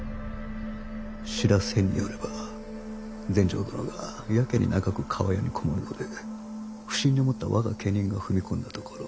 知らせによれば全成殿がやけに長く厠に籠もるので不審に思った我が家人が踏み込んだところ。